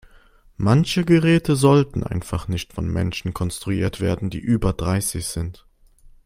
Manche Geräte sollten einfach nicht von Menschen konstruiert werden, die über dreißig sind.